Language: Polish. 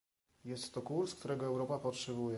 Jest to kurs, którego Europa potrzebuje